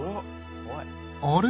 あれ？